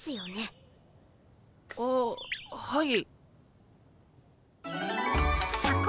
あっはい。